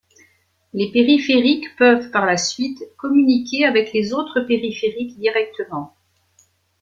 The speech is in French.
Les périphériques peuvent par la suite communiquer avec les autres périphériques directement.